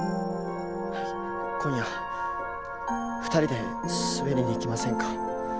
はい今夜２人で滑りに行きませんか？